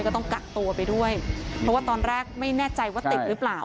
ก็ต้องกักตัวไปด้วยเพราะว่าตอนแรกไม่แน่ใจว่าติดหรือเปล่า